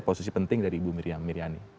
posisi penting dari ibu miriani